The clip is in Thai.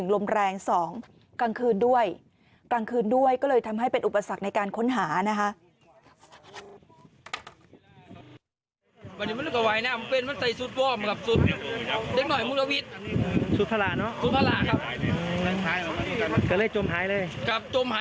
ลมแรง๒กลางคืนด้วยกลางคืนด้วยก็เลยทำให้เป็นอุปสรรคในการค้นหานะคะ